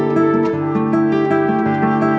lo salah apa